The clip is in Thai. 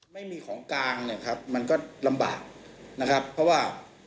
ไม่มีของกลางเนี่ยครับมันก็ลำบากนะครับเพราะว่า